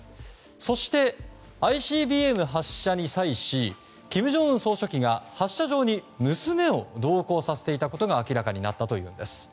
そして、ＩＣＢＭ発射に際し金正恩総書記が発射場に娘を同行させていたことが明らかになったというんです。